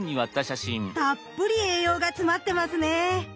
たっぷり栄養が詰まってますね。